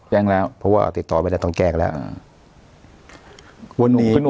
เพราะว่าติดต่อไปแล้วต้องแจ้งแล้ว